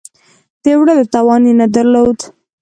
د وړلو توان یې نه درلود.